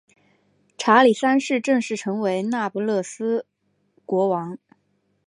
查理三世正式成为那不勒斯国王。